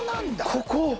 ここ。